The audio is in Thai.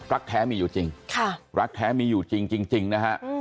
รักแท้มีอยู่จริงรักแท้มีอยู่จริงนะฮะ